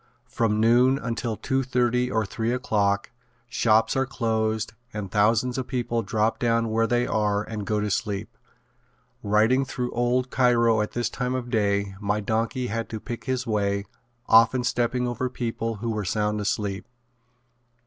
From noon until two thirty or three o'clock shops are closed and thousands of people drop down where they are and go to sleep. Riding through old Cairo at this time of day my donkey had to pick his way, often stepping over people who were sound asleep.